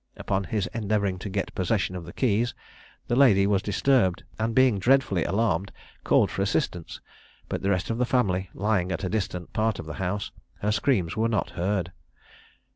Upon his endeavouring to get possession of the keys, the lady was disturbed, and being dreadfully alarmed, called for assistance; but the rest of the family lying at a distant part of the house, her screams were not heard.